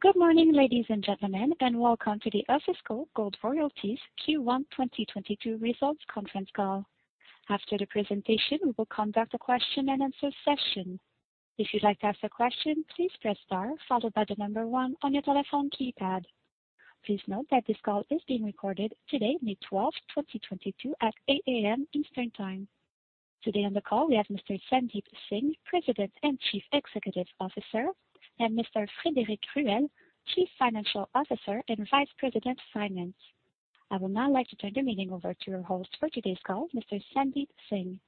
Good morning, ladies and gentlemen, and welcome to the Osisko Gold Royalties Q1 2022 Results Conference Call. After the presentation, we will conduct a question-and-answer session. If you'd like to ask a question, please press star followed by the number 1 on your telephone keypad. Please note that this call is being recorded today, May 12, 2022, at 8:00 A.M. Eastern Time. Today on the call, we have Mr. Sandeep Singh, President and Chief Executive Officer, and Mr. Frédéric Ruel, Chief Financial Officer and Vice President Finance. I would now like to turn the meeting over to your host for today's call, Mr. Sandeep Singh.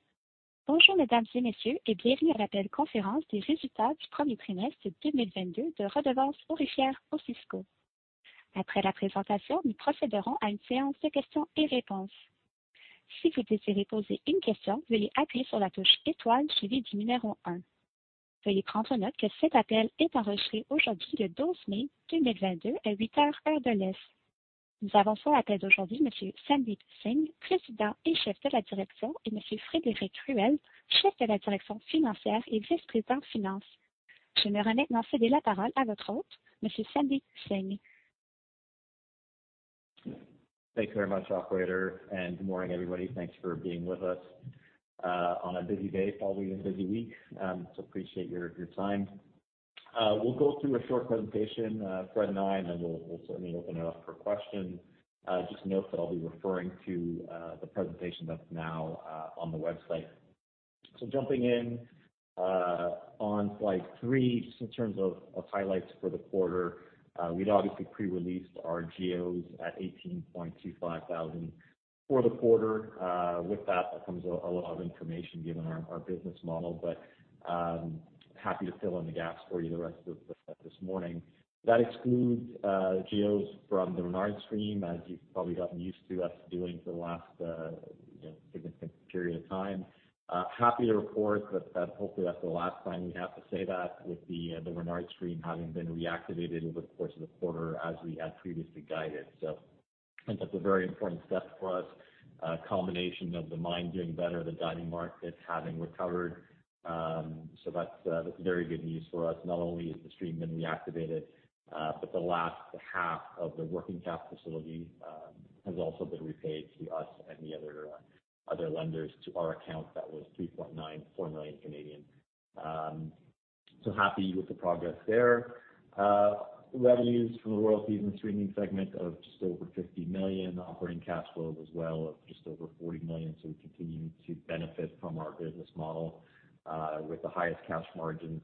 Thanks very much, operator. Good morning, everybody. Thanks for being with us on a busy day following a busy week, so appreciate your time. We'll go through a short presentation, Fred and I, and then we'll certainly open it up for questions. Just note that I'll be referring to the presentation that's now on the website. Jumping in on slide three, just in terms of highlights for the quarter, we'd obviously pre-released our GEOs at 18,250 for the quarter. With that comes a lot of information given our business model, but happy to fill in the gaps for you the rest of this morning. That excludes GEOs from the Renard stream, as you've probably gotten used to us doing for the last, you know, significant period of time. Happy to report that hopefully that's the last time we have to say that with the Renard stream having been reactivated over the course of the quarter as we had previously guided. I think that's a very important step for us, a culmination of the mine doing better, the diamond markets having recovered. That's very good news for us. Not only has the stream been reactivated, but the last half of the working capital facility has also been repaid to us and the other lenders to our account, that was 3.94 million. Happy with the progress there. Revenues from the royalties and streaming segment of just over $50 million, operating cash flow as well of just over $40 million. We continue to benefit from our business model with the highest cash margins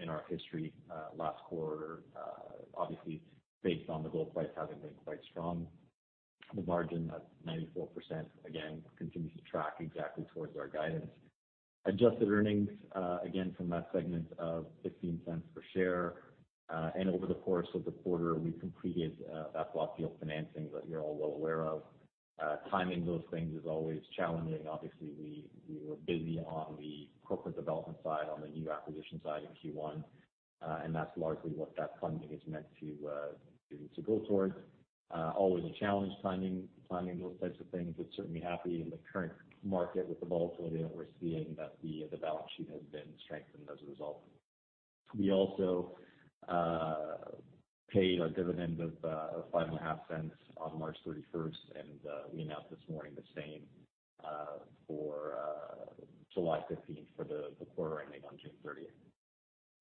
in our history last quarter. Obviously based on the gold price having been quite strong. The margin at 94% again continues to track exactly towards our guidance. Adjusted earnings again from that segment of $0.16 per share. Over the course of the quarter, we completed that bought deal financing that you're all well aware of. Timing those things is always challenging. Obviously, we were busy on the corporate development side, on the new acquisition side in Q1, and that's largely what that funding is meant to go towards. Always a challenge timing those types of things, but certainly happy in the current market with the volatility that we're seeing, that the balance sheet has been strengthened as a result. We also paid our dividend of $0.055 on March 31, and we announced this morning the same for July 15 for the quarter ending on June 30.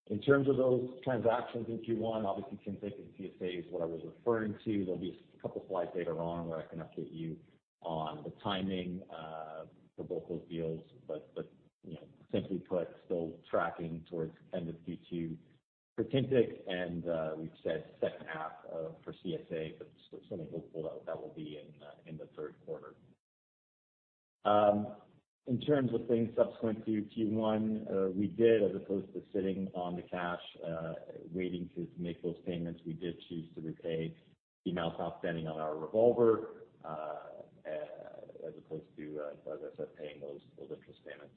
In terms of those transactions in Q1, obviously Tintic and CSA is what I was referring to. There'll be a couple slides later on where I can update you on the timing for both those deals. But you know, simply put, still tracking towards end of Q2 for Tintic, and we've said second half for CSA, but certainly hopeful that that will be in the third quarter. In terms of things subsequent to Q1, we did as opposed to sitting on the cash, waiting to make those payments, we did choose to repay the amount outstanding on our revolver, as opposed to, as I said, paying those interest payments.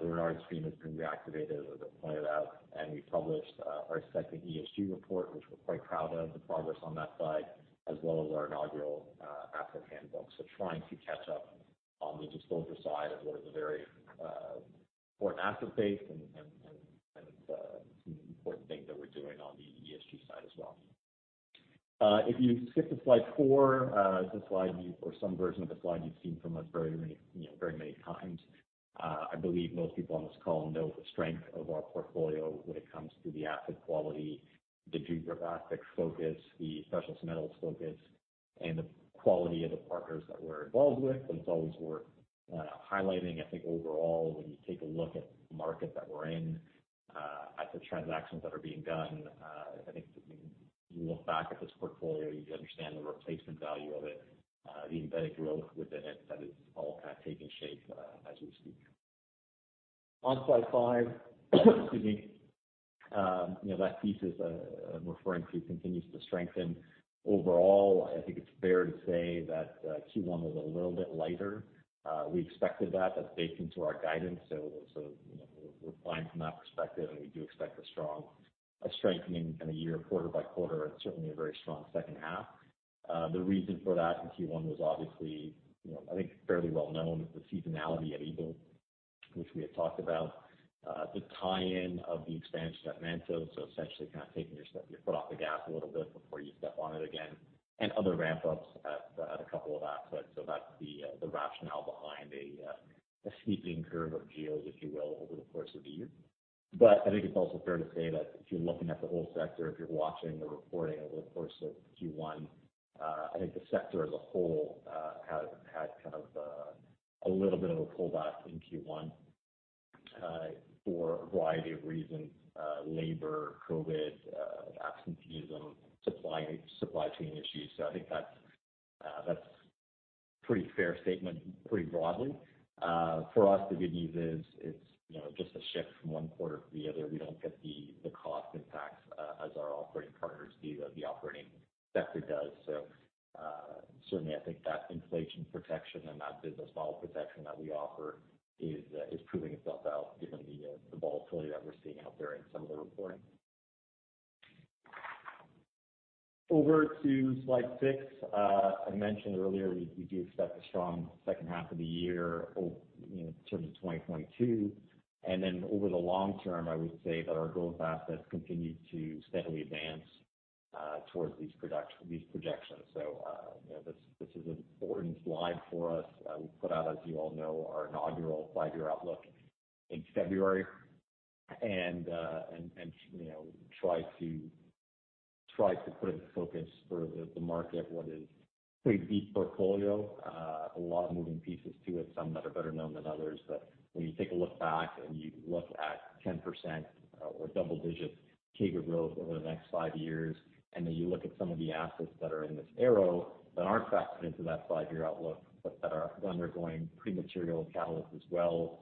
The Renard stream has been reactivated, as I pointed out, and we published our second ESG report, which we're quite proud of the progress on that side, as well as our inaugural asset handbook. Trying to catch up on the disclosure side of what is a very important asset base and some important things that we're doing on the ESG side as well. If you skip to slide four, it's a slide you or some version of the slide you've seen from us very many, you know, very many times. I believe most people on this call know the strength of our portfolio when it comes to the asset quality, the geographic focus, the precious metals focus, and the quality of the partners that we're involved with. It's always worth highlighting. I think overall, when you take a look at the market that we're in, at the transactions that are being done, I think when you look back at this portfolio, you understand the replacement value of it, the embedded growth within it that is all kind of taking shape, as we speak. On slide five, excuse me, you know, that thesis I'm referring to continues to strengthen. Overall, I think it's fair to say that Q1 was a little bit lighter. We expected that. That's baked into our guidance. You know, we're fine from that perspective, and we do expect a strengthening in the year quarter by quarter, and certainly a very strong second half. The reason for that in Q1 was obviously, you know, I think fairly well known, the seasonality at Eagle, which we had talked about, the tie-in of the expansion at Manto. Essentially, kind of taking your foot off the gas a little bit before you step on it again and other ramp ups at a couple of assets. That's the rationale behind a sweeping curve of GEOs, if you will, over the course of the year. I think it's also fair to say that if you're looking at the whole sector, if you're watching the reporting over the course of Q1, I think the sector as a whole has had kind of a little bit of a pullback in Q1 for a variety of reasons, labor, COVID, absenteeism, supply chain issues. I think that's a pretty fair statement pretty broadly. For us, the good news is, it's you know, just a shift from one quarter to the other. We don't get the cost impacts as our operating partners do, the operating sector does. Certainly, I think that inflation protection and that business model protection that we offer is proving itself out given the volatility that we're seeing out there in some of the reporting. Over to slide 6. I mentioned earlier, we do expect a strong second half of the year, you know, in terms of 2022. Then over the long term, I would say that our gold assets continue to steadily advance towards these projections. You know, this is an important slide for us. We put out, as you all know, our inaugural 5-year outlook in February. You know, try to put in focus for the market what is pretty deep portfolio. A lot of moving pieces to it, some that are better known than others. When you take a look back and you look at 10% or double-digit CAGR growth over the next five years, and then you look at some of the assets that are in this arrow that aren't factored into that five-year outlook, but that are undergoing pretty material catalyst as well,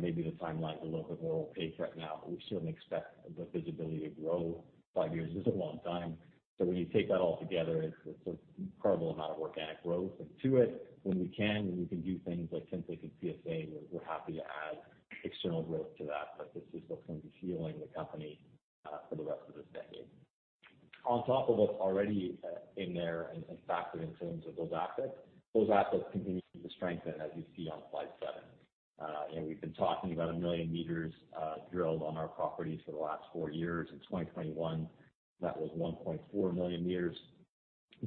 maybe the timeline's a little bit more opaque right now, but we certainly expect the visibility to grow. Five years is a long time. When you take that all together, it's an incredible amount of organic growth. To it, when we can do things like Tintic and CSA, we're happy to add external growth to that. This is what's going to be fueling the company for the rest of this decade. On top of what's already in there and factored in terms of those assets, those assets continue to strengthen as you see on slide 7. We've been talking about one million meters drilled on our properties for the last four years. In 2021, that was 1.4 million meters.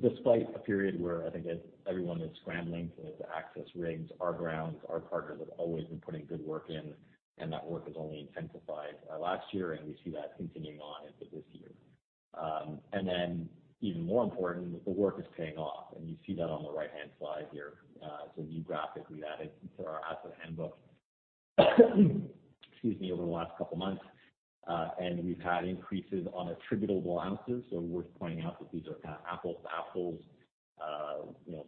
Despite a period where I think everyone is scrambling to access rigs, our grounds, our partners have always been putting good work in, and that work has only intensified last year, and we see that continuing on into this year. Even more important, the work is paying off, and you see that on the right-hand side here. It's a new graphic we added to our asset handbook, excuse me, over the last couple of months. We've had increases on attributable ounces. Worth pointing out that these are kind of apples to apples. You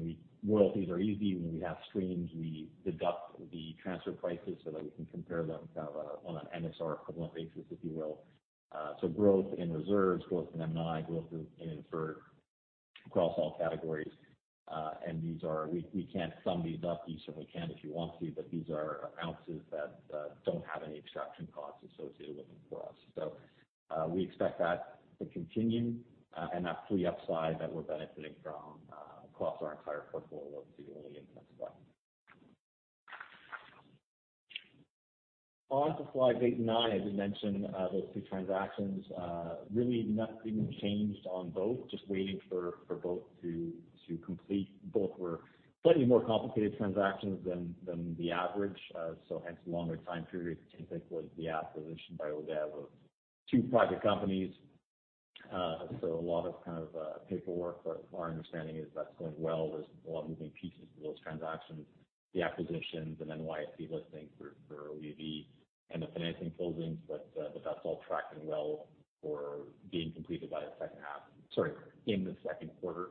know, Royalties are easy. When we have streams, we deduct the transfer prices so that we can compare them kind of on an NSR equivalent basis, if you will. Growth in reserves, growth in M&I, growth in inferred across all categories. These are we can't sum these up. You certainly can if you want to, but these are ounces that don't have any extraction costs associated with them for us. We expect that to continue and that free upside that we're benefiting from across our entire portfolio to really intensify. On to slide 8 and 9, as we mentioned, those two transactions really nothing changed on both. Just waiting for both to complete. Both were slightly more complicated transactions than the average, so hence longer time period. Tintic was the acquisition by Osisko Development of two private companies. So a lot of kind of paperwork, but our understanding is that's going well. There's a lot of moving parts to those transactions, the acquisitions, and then NYSE listing for ODV and the financing closings. That's all tracking well for being completed in the second quarter.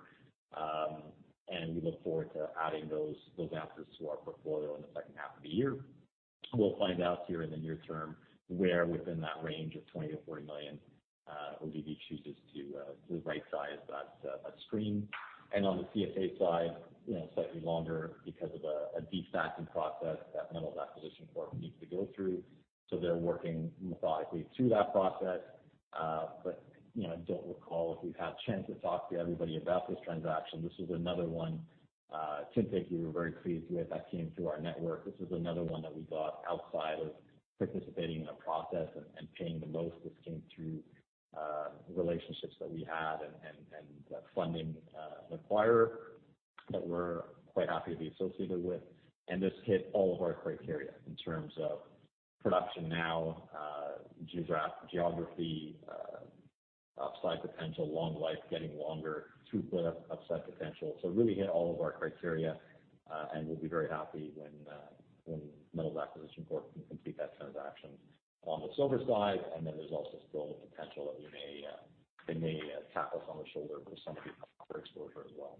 We look forward to adding those assets to our portfolio in the second half of the year. We'll find out here in the near term, where within that range of $20 million-$40 million, ODV chooses to right size that stream. On the CSA side, slightly longer because of a destacking process that Metals Acquisition Corp needs to go through. They're working methodically through that process. I don't recall if we've had a chance to talk to everybody about this transaction. This is another one, Tintic, we were very pleased with that came through our network. This is another one that we got outside of participating in a process and paying the most. This came through relationships that we had and funding an acquirer that we're quite happy to be associated with. This hit all of our criteria in terms of production now, geography, upside potential, long life getting longer, two-thirds upside potential. Really hit all of our criteria, and we'll be very happy when Metals Acquisition Corp can complete that transaction on the silver side. Then there's also still the potential that they may tap us on the shoulder for some of these copper exploration as well.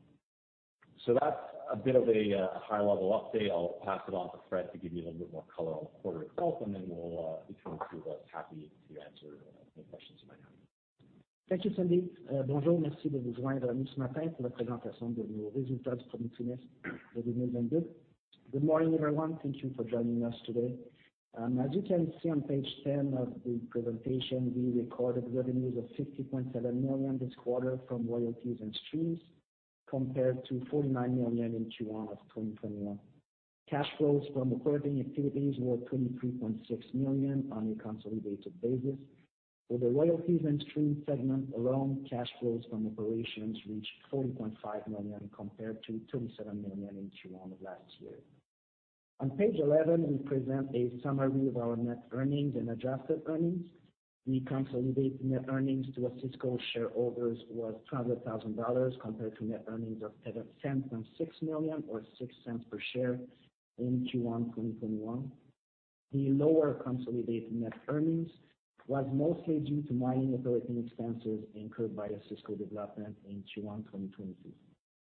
That's a bit of a high level update. I'll pass it on to Fred to give you a little bit more color on the quarter itself, and then we'll be coming to you. Happy to answer any questions you might have. Thank you, Sandeep. Good morning, everyone. Thank you for joining us today. As you can see on page 10 of the presentation, we recorded revenues of $50.7 million this quarter from royalties and streams, compared to $49 million in Q1 of 2021. Cash flows from operating activities were $23.6 million on a consolidated basis. For the royalties and stream segment alone, cash flows from operations reached $40.5 million compared to $27 million in Q1 of last year. On page 11, we present a summary of our net earnings and adjusted earnings. The consolidated net earnings to Osisko shareholders was $1.2 million compared to net earnings of $10.6 million or $0.06 per share in Q1 2021. The lower consolidated net earnings was mostly due to mining operating expenses incurred by Osisko Development in Q1 2022.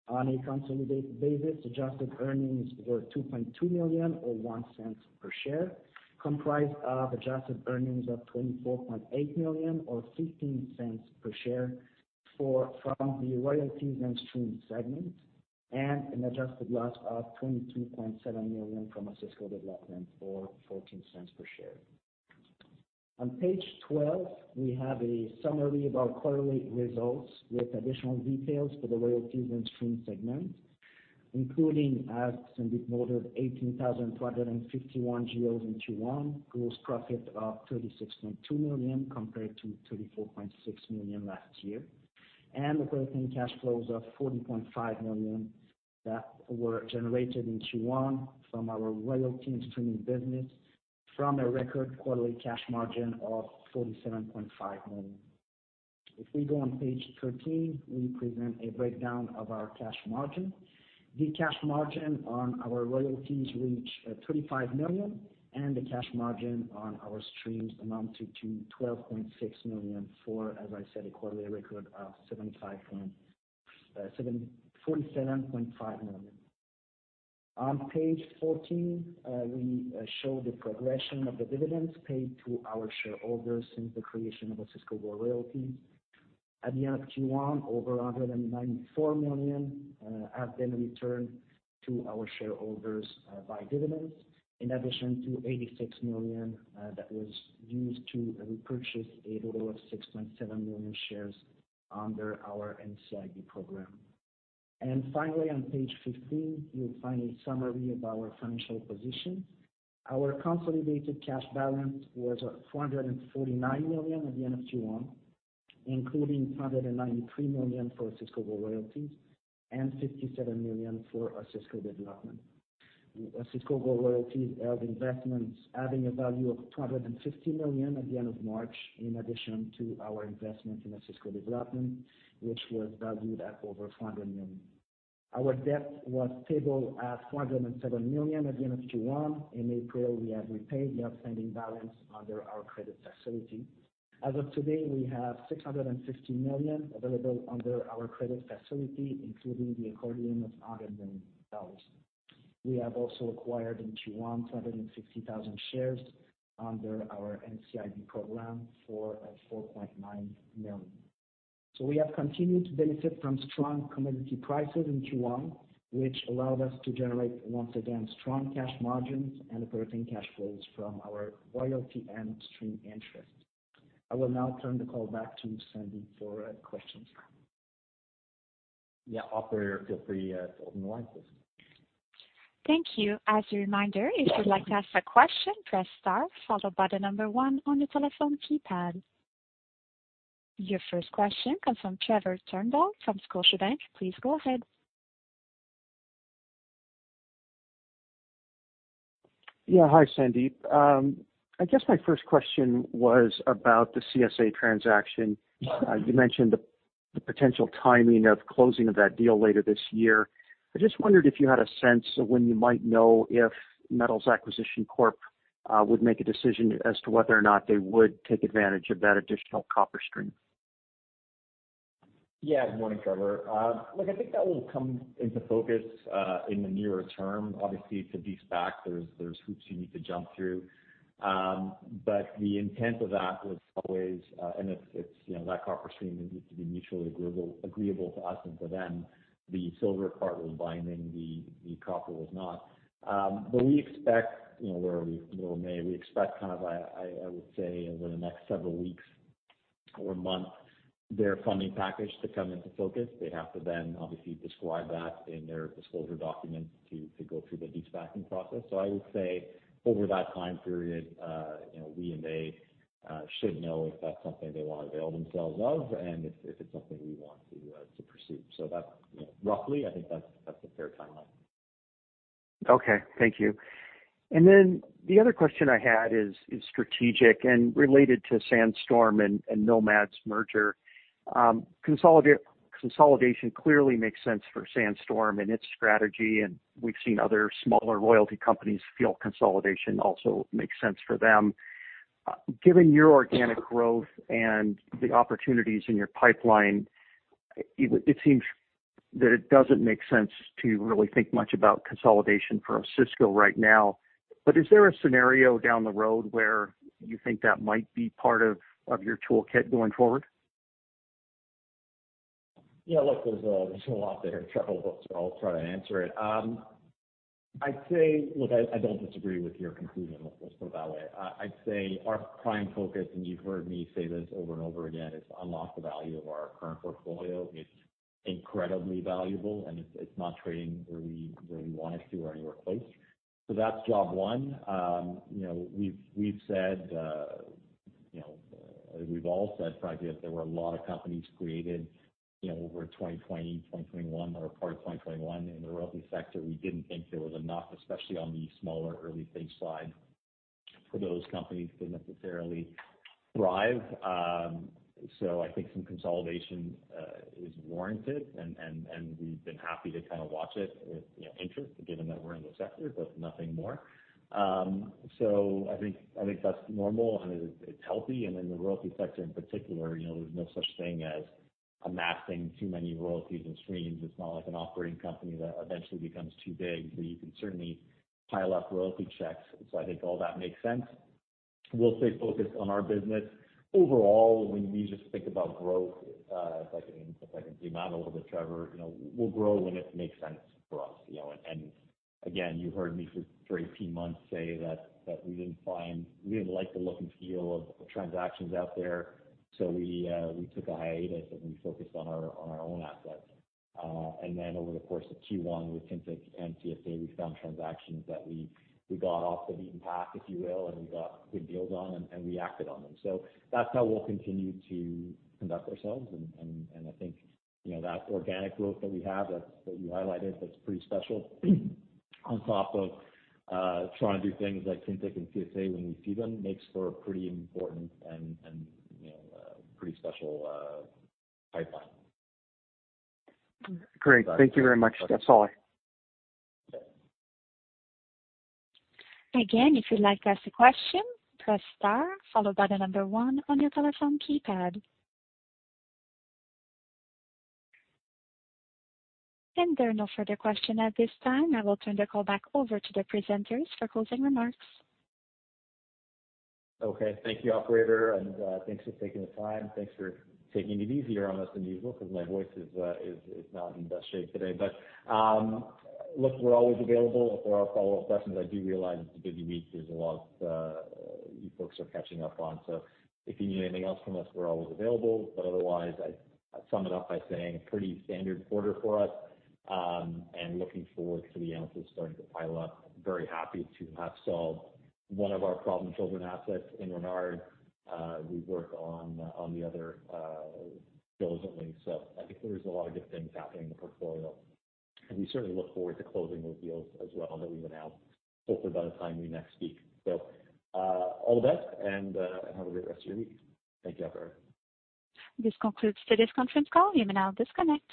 On a consolidated basis, adjusted earnings were $2.2 million or $0.01 per share, comprised of adjusted earnings of $24.8 million or $0.15 per share from the royalties and stream segment and an adjusted loss of $22.7 million from Osisko Development or $0.14 per share. On page 12, we have a summary of our quarterly results with additional details for the royalties and stream segment, including as Sandeep noted, 18,251 GEOs in Q1, gross profit of $36.2 million compared to $34.6 million last year, and operating cash flows of $40.5 million that were generated in Q1 from our royalty and streaming business from a record quarterly cash margin of $47.5 million. If we go on page 13, we present a breakdown of our cash margin. The cash margin on our royalties reached $25 million, and the cash margin on our streams amounted to $12.6 million for, as I said, a quarterly record of $47.5 million. On page 14, we show the progression of the dividends paid to our shareholders since the creation of Osisko Royalties. At the end of Q1, over $194 million have been returned to our shareholders by dividends, in addition to $86 million that was used to repurchase a total of 6.7 million shares under our NCIB program. Finally, on page 15, you'll find a summary of our financial position. Our consolidated cash balance was $449 million at the end of Q1, including $293 million for Osisko Royalties and $57 million for Osisko Development. Osisko Royalties held investments having a value of $250 million at the end of March, in addition to our investment in Osisko Development, which was valued at over $400 million. Our debt was stable at $407 million at the end of Q1. In April, we have repaid the outstanding balance under our credit facility. As of today, we have $660 million available under our credit facility, including the accordion of $100 million. We have also acquired in Q1 260,000 shares under our NCIB program for $4.9 million. We have continued to benefit from strong commodity prices in Q1, which allowed us to generate once again strong cash margins and operating cash flows from our royalty and stream interest. I will now turn the call back to Sandeep for questions. Yeah. Operator, feel free to open the line, please. Thank you. As a reminder, if you'd like to ask a question, press star, followed by the number one on your telephone keypad. Your first question comes from Trevor Turnbull from Scotiabank. Please go ahead. Yeah. Hi, Sandeep. I guess my first question was about the CSA transaction. You mentioned the potential timing of closing of that deal later this year. I just wondered if you had a sense of when you might know if Metals Acquisition Corp would make a decision as to whether or not they would take advantage of that additional copper stream. Yeah. Good morning, Trevor. Look, I think that will come into focus in the nearer term. Obviously, it's a de-SPAC. There's hoops you need to jump through. But the intent of that was always, and it's, you know, that copper stream needs to be mutually agreeable to us and to them. The silver part was binding, the copper was not. But we expect, you know, we expect kind of a, I would say over the next several weeks or month, their funding package to come into focus. They have to then obviously describe that in their disclosure documents to go through the de-SPACing process. I would say over that time period, you know, we and they should know if that's something they wanna avail themselves of and if it's something we want to pursue. That's, you know, roughly, I think that's a fair timeline. Okay. Thank you. The other question I had is strategic and related to Sandstorm and Nomad's merger. Consolidation clearly makes sense for Sandstorm and its strategy, and we've seen other smaller royalty companies feel consolidation also makes sense for them. Given your organic growth and the opportunities in your pipeline, it seems that it doesn't make sense to really think much about consolidation for Osisko right now. But is there a scenario down the road where you think that might be part of your toolkit going forward? Yeah, look, there's a lot there, Trevor, but I'll try to answer it. I'd say. Look, I don't disagree with your conclusion. Let's put it that way. I'd say our prime focus, and you've heard me say this over and over again, is to unlock the value of our current portfolio. It's incredibly valuable, and it's not trading where we want it to or anywhere close. So that's job one. You know, we've said, you know, we've all said probably that there were a lot of companies created, you know, over 2020, 2021 or part of 2021 in the royalty sector. We didn't think there was enough, especially on the smaller early-stage side, for those companies to necessarily thrive. I think some consolidation is warranted and we've been happy to kind of watch it with, you know, interest given that we're in the sector, but nothing more. I think that's normal and it's healthy. In the royalty sector in particular, you know, there's no such thing as amassing too many royalties and streams. It's not like an operating company that eventually becomes too big, but you can certainly pile up royalty checks. I think all that makes sense. We'll stay focused on our business. Overall, when we just think about growth, if I can, if I can zoom out a little bit, Trevor, you know, we'll grow when it makes sense for us, you know. Again, you heard me for 13 months say that we didn't like the look and feel of transactions out there. We took a hiatus, and we focused on our own assets. Then over the course of Q1 with Tintic and CSA, we found transactions that we got off the beaten path, if you will, and we got good deals on and we acted on them. That's how we'll continue to conduct ourselves and I think, you know, that organic growth that we have that you highlighted, that's pretty special. On top of trying to do things like Tintic and CSA when we see them makes for a pretty important and, you know, pretty special pipeline. Great. Thank you very much. That's all. Again, if you'd like to ask a question, press star followed by the number one on your telephone keypad. There are no further questions at this time. I will turn the call back over to the presenters for closing remarks. Okay. Thank you, operator, and thanks for taking the time. Thanks for taking it easier on us than usual because my voice is not in the best shape today. Look, we're always available if there are follow-up questions. I do realize it's a busy week. There's a lot you folks are catching up on. If you need anything else from us, we're always available. Otherwise, I sum it up by saying pretty standard quarter for us, and looking forward to the ounces starting to pile up. Very happy to have solved one of our problem children assets in Renard. We've worked on the other diligently, so I think there's a lot of good things happening in the portfolio. We certainly look forward to closing those deals as well that we've announced, hopefully by the time we next speak. All the best and have a great rest of your week. Thank you, operator. This concludes today's conference call. You may now disconnect.